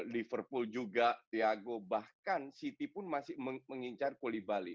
liverpool juga tiago bahkan city pun masih mengincar kulibali